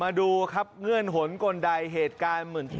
มาดูครับเงื่อนหลุนกลใดเหตุการณ์